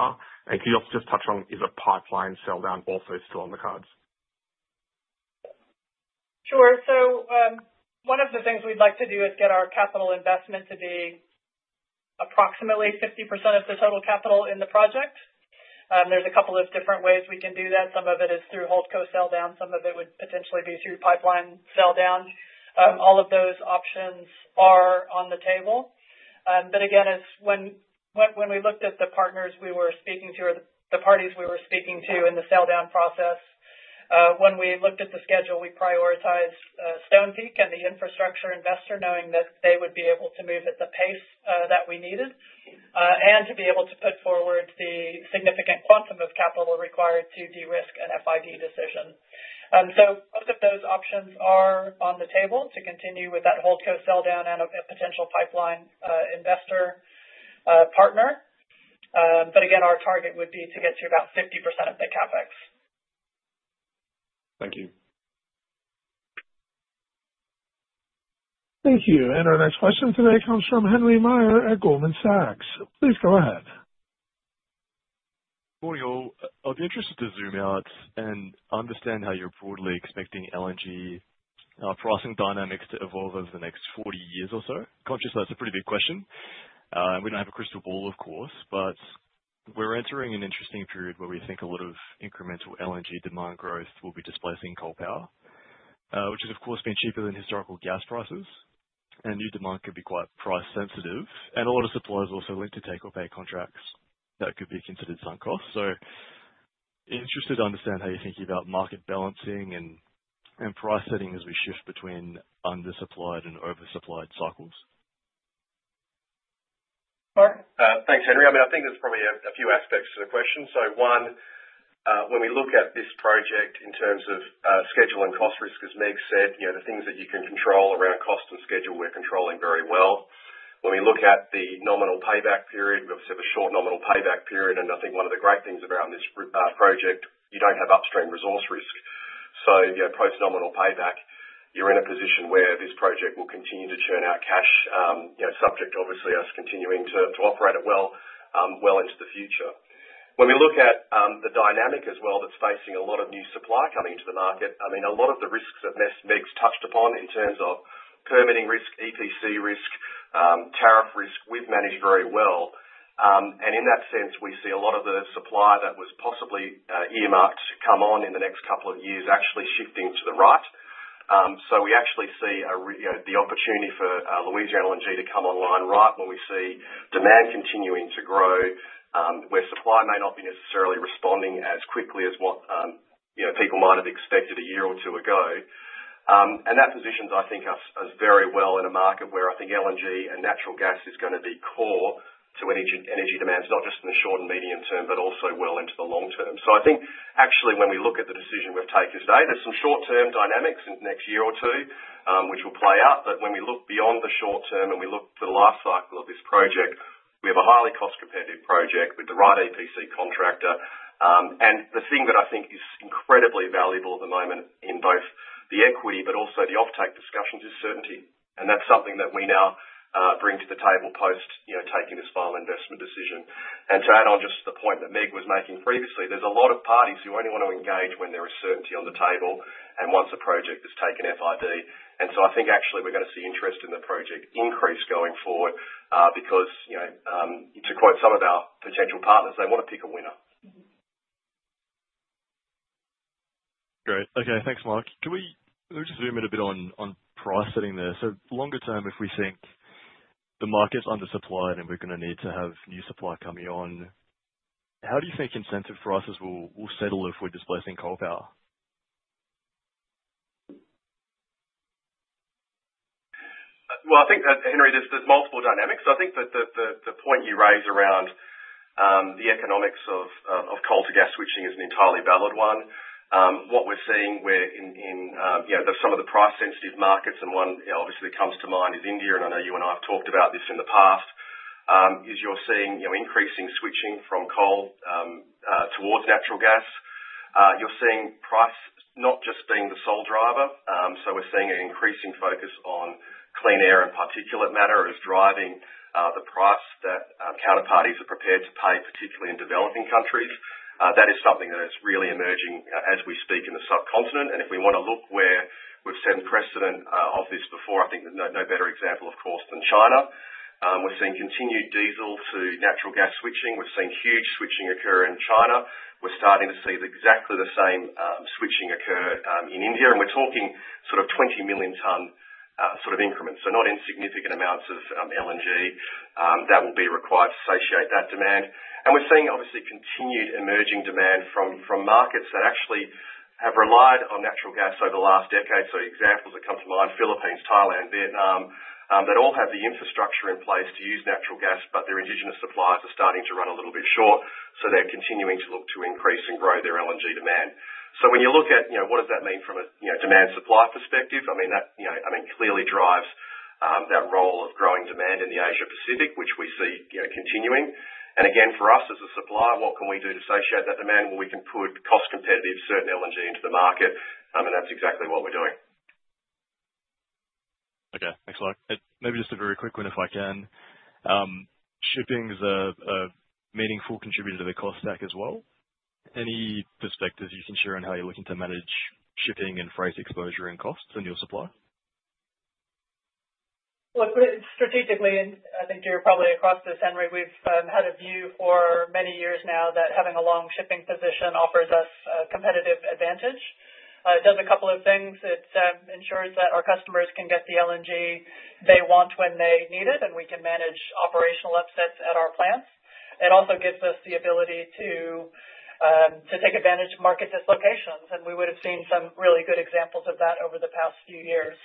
Could you also just touch on, is a pipeline sell down also still on the cards? Sure. One of the things we'd like to do is get our capital investment to be approximately 50% of the total capital in the project. There are a couple of different ways we can do that. Some of it is through Holco sell down. Some of it would potentially be through pipeline sell down. All of those options are on the table. Again, when we looked at the partners we were speaking to, or the parties we were speaking to in the sell down process, when we looked at the schedule, we prioritized Stonepeak and the infrastructure investor, knowing that they would be able to move at the pace that we needed and to be able to put forward the significant quantum of capital required to de-risk an FID decision. Both of those options are on the table to continue with that Holco sell down and a potential pipeline investor partner. Again, our target would be to get to about 50% of the CapEx. Thank you. Thank you. Our next question today comes from Henry Meyer at Goldman Sachs. Please go ahead. I'd be interested to zoom out and understand how you're broadly expecting LNG pricing dynamics to evolve over the next 40 years or so. Conscious that's a pretty big question. We don't have a crystal ball, of course, but we're entering an interesting period where we think a lot of incremental LNG demand growth will be displacing coal power, which has, of course, been cheaper than historical gas prices. New demand could be quite price-sensitive. A lot of suppliers also link to take-or-pay contracts that could be considered sunk costs. Interested to understand how you're thinking about market balancing and price setting as we shift between undersupplied and oversupplied cycles. All right. Thanks, Henry. I mean, I think there's probably a few aspects to the question. One, when we look at this project in terms of schedule and cost risk, as Meg said, the things that you can control around cost and schedule, we're controlling very well. When we look at the nominal payback period, we obviously have a short nominal payback period. I think one of the great things about this project, you don't have upstream resource risk. Post-nominal payback, you're in a position where this project will continue to churn out cash, subject, obviously, to us continuing to operate it well into the future. When we look at the dynamic as well that's facing a lot of new supply coming into the market, I mean, a lot of the risks that Meg's touched upon in terms of permitting risk, EPC risk, tariff risk, we've managed very well. In that sense, we see a lot of the supply that was possibly earmarked to come on in the next couple of years actually shifting to the right. We actually see the opportunity for Louisiana LNG to come online right when we see demand continuing to grow, where supply may not be necessarily responding as quickly as what people might have expected a year or two ago. That positions, I think, us very well in a market where I think LNG and natural gas is going to be core to energy demands, not just in the short and medium term, but also well into the long term. I think, actually, when we look at the decision we've taken today, there are some short-term dynamics in the next year or two, which will play out. When we look beyond the short term and we look for the life cycle of this project, we have a highly cost-competitive project with the right EPC contractor. The thing that I think is incredibly valuable at the moment in both the equity, but also the off-take discussions, is certainty. That is something that we now bring to the table post taking this final investment decision. To add on just to the point that Meg was making previously, there's a lot of parties who only want to engage when there is certainty on the table and once a project has taken FID. I think, actually, we're going to see interest in the project increase going forward because, to quote some of our potential partners, they want to pick a winner. Great. Okay. Thanks, Mark. Can we just zoom in a bit on price setting there? Longer term, if we think the market's undersupplied and we're going to need to have new supply coming on, how do you think incentive prices will settle if we're displacing coal power? I think, Henry, there's multiple dynamics. I think that the point you raise around the economics of coal-to-gas switching is an entirely valid one. What we're seeing in some of the price-sensitive markets, and one obviously that comes to mind is India, and I know you and I have talked about this in the past, is you're seeing increasing switching from coal towards natural gas. You're seeing price not just being the sole driver. We're seeing an increasing focus on clean air and particulate matter as driving the price that counterparties are prepared to pay, particularly in developing countries. That is something that is really emerging as we speak in the subcontinent. If we want to look where we've set precedent of this before, I think there's no better example, of course, than China. We're seeing continued diesel to natural gas switching. We've seen huge switching occur in China. We're starting to see exactly the same switching occur in India. We're talking sort of 20 million ton sort of increments, so not insignificant amounts of LNG that will be required to satiate that demand. We're seeing, obviously, continued emerging demand from markets that actually have relied on natural gas over the last decade. Examples that come to mind, Philippines, Thailand, Vietnam, that all have the infrastructure in place to use natural gas, but their indigenous supplies are starting to run a little bit short. They're continuing to look to increase and grow their LNG demand. When you look at what does that mean from a demand-supply perspective, I mean, that clearly drives that role of growing demand in the Asia-Pacific, which we see continuing. For us as a supplier, what can we do to satiate that demand? We can put cost-competitive certain LNG into the market. That's exactly what we're doing. Okay. Thanks, Mark. Maybe just a very quick one, if I can. Shipping is a meaningful contributor to the cost stack as well. Any perspectives you can share on how you're looking to manage shipping and freight exposure and costs on your supply? Strategically, and I think you're probably across this, Henry, we've had a view for many years now that having a long shipping position offers us a competitive advantage. It does a couple of things. It ensures that our customers can get the LNG they want when they need it, and we can manage operational upsets at our plants. It also gives us the ability to take advantage of market dislocations. We would have seen some really good examples of that over the past few years.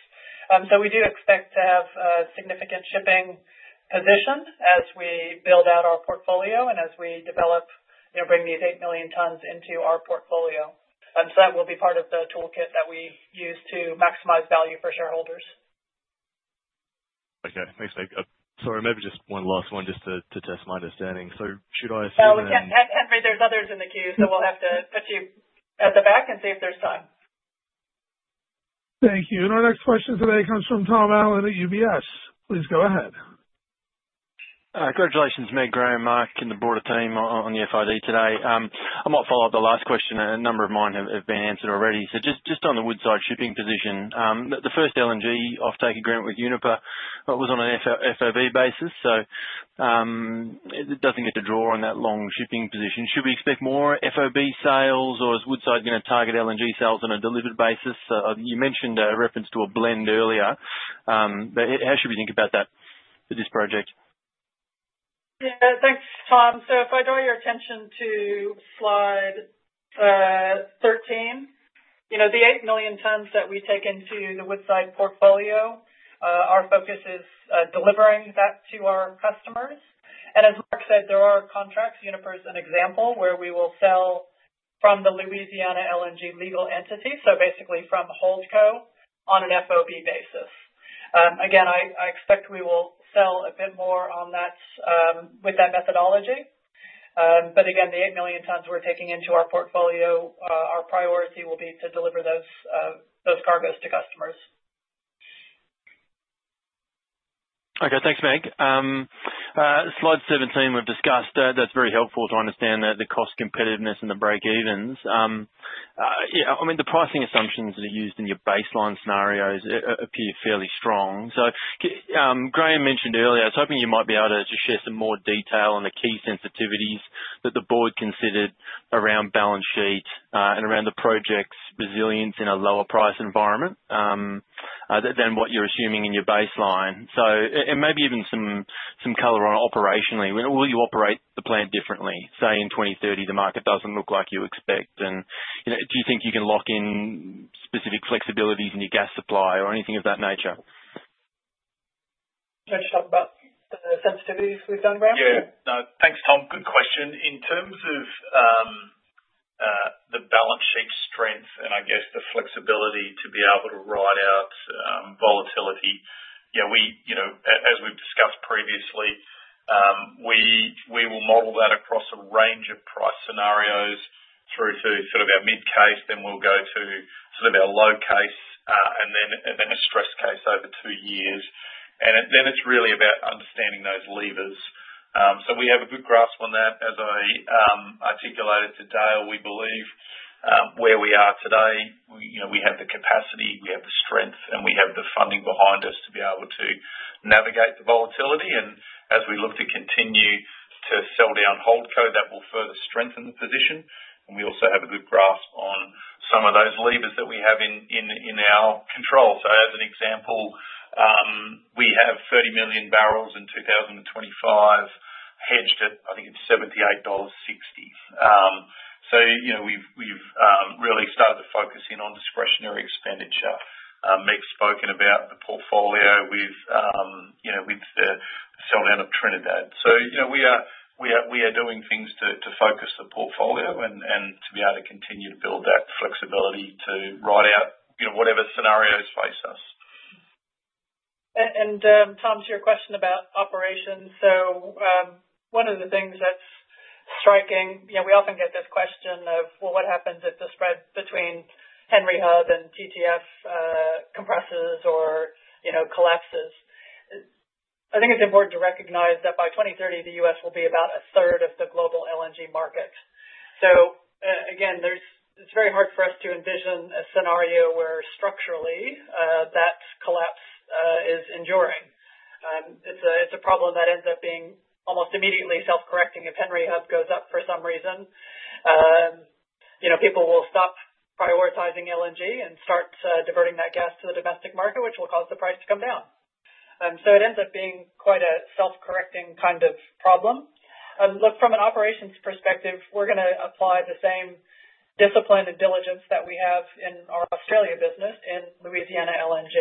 We do expect to have a significant shipping position as we build out our portfolio and as we develop, bring these 8 million tons into our portfolio. That will be part of the toolkit that we use to maximize value for shareholders. Okay. Thanks, Meg. Sorry, maybe just one last one just to test my understanding. Should I say that? Henry, there are others in the queue, so we will have to put you at the back and see if there is time. Thank you. Our next question today comes from Tom Allen at UBS. Please go ahead. Congratulations, Meg, Graham, Mark and the board of team on the FID today. I might follow up the last question. A number of mine have been answered already. Just on the Woodside shipping position, the first LNG off-take agreement with Uniper was on an FOB basis. It doesn't get to draw on that long shipping position. Should we expect more FOB sales, or is Woodside going to target LNG sales on a delivered basis? You mentioned a reference to a blend earlier. How should we think about that for this project? Yeah. Thanks, Tom. If I draw your attention to slide 13, the 8 million tons that we take into the Woodside portfolio, our focus is delivering that to our customers. As Mark said, there are contracts. Uniper is an example where we will sell from the Louisiana LNG legal entity, so basically from HoldCo on an FOB basis. I expect we will sell a bit more with that methodology. Again, the 8 million tons we're taking into our portfolio, our priority will be to deliver those cargoes to customers. Okay. Thanks, Meg. Slide 17, we've discussed. That's very helpful to understand the cost competitiveness and the breakevens. I mean, the pricing assumptions that are used in your baseline scenarios appear fairly strong. Graham mentioned earlier, I was hoping you might be able to share some more detail on the key sensitivities that the board considered around balance sheet and around the project's resilience in a lower price environment than what you're assuming in your baseline. Maybe even some color on operationally. Will you operate the plant differently? Say in 2030, the market doesn't look like you expect. Do you think you can lock in specific flexibilities in your gas supply or anything of that nature? Can I just talk about the sensitivities we've done, Graham? Yeah. Thanks, Tom. Good question. In terms of the balance sheet strength and, I guess, the flexibility to be able to ride out volatility, as we've discussed previously, we will model that across a range of price scenarios through to sort of our mid case, then we'll go to sort of our low case, and then a stress case over two years. It is really about understanding those levers. We have a good grasp on that, as I articulated today, or we believe where we are today. We have the capacity, we have the strength, and we have the funding behind us to be able to navigate the volatility. As we look to continue to sell down Holco, that will further strengthen the position. We also have a good grasp on some of those levers that we have in our control. As an example, we have 30 million barrels in 2025 hedged at, I think it's $78.60. We have really started to focus in on discretionary expenditure. Meg's spoken about the portfolio with the sell down of Trinidad. We are doing things to focus the portfolio and to be able to continue to build that flexibility to ride out whatever scenarios face us. Tom, to your question about operations, one of the things that's striking, we often get this question of, what happens if the spread between Henry Hub and TTF compresses or collapses? I think it's important to recognize that by 2030, the U.S. will be about a third of the global LNG market. Again, it's very hard for us to envision a scenario where structurally that collapse is enduring. It's a problem that ends up being almost immediately self-correcting. If Henry Hub goes up for some reason, people will stop prioritizing LNG and start diverting that gas to the domestic market, which will cause the price to come down. It ends up being quite a self-correcting kind of problem. Look, from an operations perspective, we're going to apply the same discipline and diligence that we have in our Australia business in Louisiana LNG.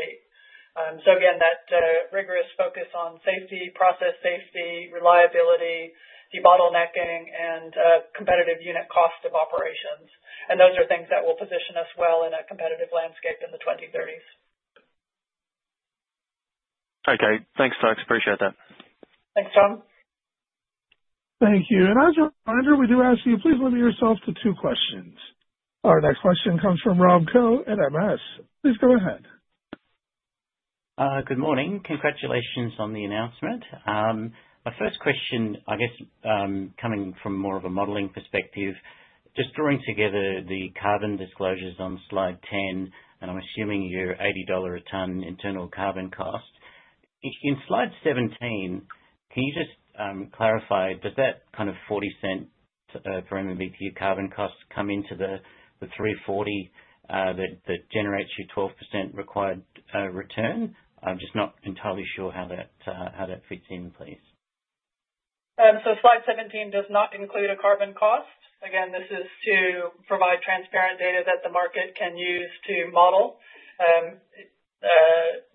Again, that rigorous focus on safety, process safety, reliability, debottlenecking, and competitive unit cost of operations. Those are things that will position us well in a competitive landscape in the 2030s. Okay. Thanks, folks. Appreciate that. Thanks, Tom. Thank you. As a reminder, we do ask you, please limit yourself to two questions. Our next question comes from Rob Coe at MS. Please go ahead. Good morning. Congratulations on the announcement. My first question, I guess, coming from more of a modeling perspective, just drawing together the carbon disclosures on slide 10, and I'm assuming your $80 a ton internal carbon cost. In slide 17, can you just clarify, does that kind of 40 cent per MMBTU of carbon cost come into the 340 that generates your 12% required return? I'm just not entirely sure how that fits in, please. Slide 17 does not include a carbon cost. Again, this is to provide transparent data that the market can use to model.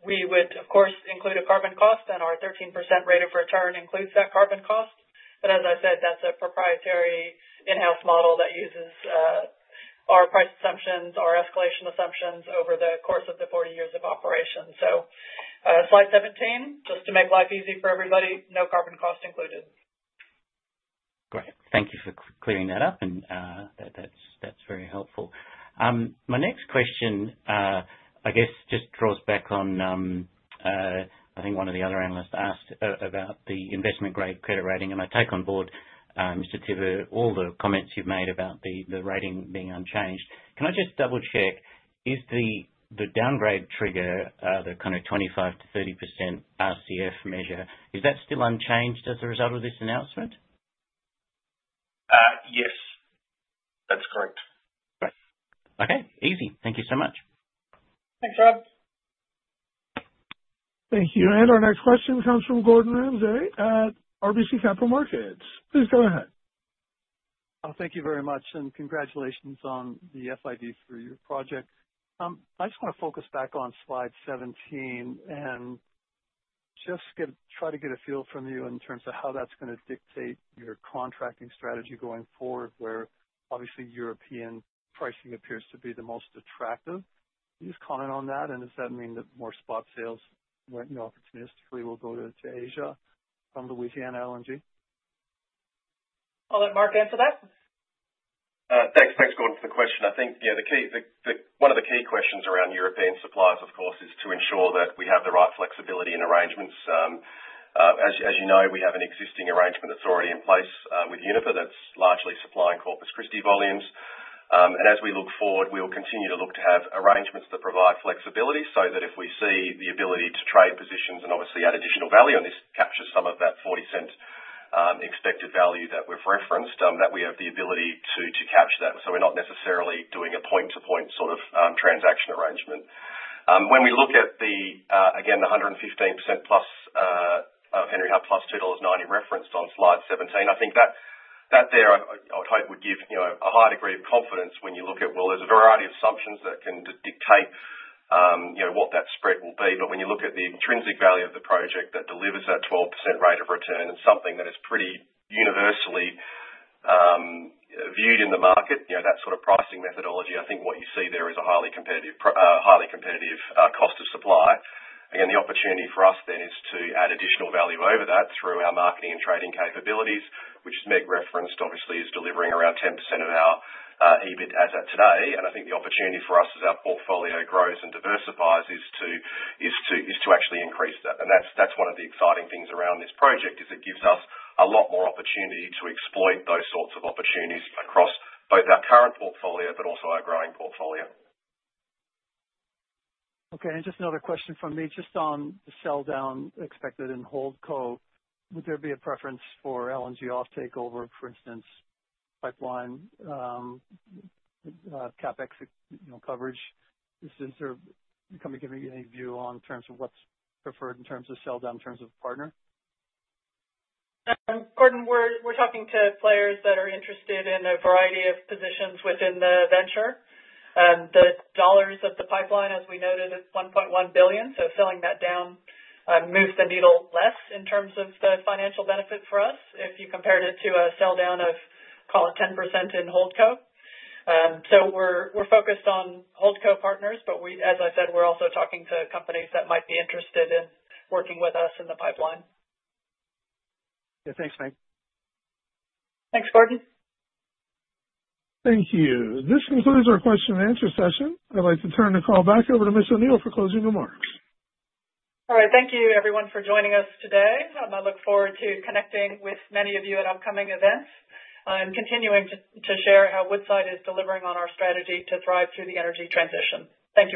We would, of course, include a carbon cost, and our 13% rate of return includes that carbon cost. As I said, that's a proprietary in-house model that uses our price assumptions, our escalation assumptions over the course of the 40 years of operation. Slide 17, just to make life easy for everybody, no carbon cost included. Great. Thank you for clearing that up. That is very helpful. My next question, I guess, just draws back on, I think, one of the other analysts asked about the investment-grade credit rating. I take on board, Mr. Tiver, all the comments you've made about the rating being unchanged. Can I just double-check, is the downgrade trigger, the kind of 25%-30% RCF measure, is that still unchanged as a result of this announcement? Yes. That's correct. Okay. Easy. Thank you so much. Thanks, Rob. Thank you. Our next question comes from Gordon Ramsay at RBC Capital Markets. Please go ahead. Thank you very much. Congratulations on the FID for your project. I just want to focus back on slide 17 and just try to get a feel from you in terms of how that's going to dictate your contracting strategy going forward, where obviously European pricing appears to be the most attractive. Can you just comment on that? Does that mean that more spot sales, more opportunistically, will go to Asia from Louisiana LNG? I'll let Mark answer that. Thanks, Gordon, for the question. I think one of the key questions around European suppliers, of course, is to ensure that we have the right flexibility and arrangements. As you know, we have an existing arrangement that's already in place with Uniper that's largely supplying Corpus Christi volumes. As we look forward, we will continue to look to have arrangements that provide flexibility so that if we see the ability to trade positions and obviously add additional value, and this captures some of that $0.40 expected value that we've referenced, that we have the ability to catch that. We're not necessarily doing a point-to-point sort of transaction arrangement. When we look at the, again, the 115% plus of Henry Hub plus $2.90 referenced on slide 17, I think that there, I would hope, would give a higher degree of confidence when you look at, well, there's a variety of assumptions that can dictate what that spread will be. When you look at the intrinsic value of the project that delivers that 12% rate of return and something that is pretty universally viewed in the market, that sort of pricing methodology, I think what you see there is a highly competitive cost of supply. Again, the opportunity for us then is to add additional value over that through our marketing and trading capabilities, which Meg referenced, obviously, is delivering around 10% of our EBIT as of today. I think the opportunity for us as our portfolio grows and diversifies is to actually increase that. That is one of the exciting things around this project as it gives us a lot more opportunity to exploit those sorts of opportunities across both our current portfolio but also our growing portfolio. Okay. Just another question from me. Just on the sell down expected in Holco, would there be a preference for LNG off-take over, for instance, pipeline CapEx coverage? Is there going to be any view on terms of what's preferred in terms of sell down in terms of partner? Gordon, we're talking to players that are interested in a variety of positions within the venture. The dollars of the pipeline, as we noted, is $1.1 billion. So selling that down moves the needle less in terms of the financial benefit for us if you compared it to a sell down of, call it, 10% in Holco. We are focused on Holco partners, but as I said, we are also talking to companies that might be interested in working with us in the pipeline. Yeah. Thanks, Meg. Thanks, Gordon. Thank you. This concludes our question and answer session. I'd like to turn the call back over to Ms. O'Neill for closing remarks. All right. Thank you, everyone, for joining us today. I look forward to connecting with many of you at upcoming events and continuing to share how Woodside is delivering on our strategy to thrive through the energy transition. Thank you.